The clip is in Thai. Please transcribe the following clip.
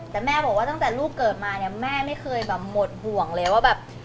แต่แม่บอกว่าตั้งแต่ลูกเกิดมาเนี่ยแม่ไม่เคยแบบหมดห่วงเลยว่าแบบ